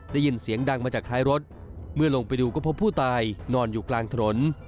ได้ยินเสียงดังมาจากท้ายรถเมื่อลงไปดูก็พบผู้ตายนอนอยู่กลางถนน